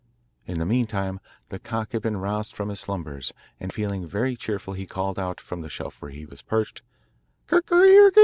In the meantime the cock had been roused from his slumbers, and feeling very cheerful he called out, from the shelf where he was perched, 'Kikeriki!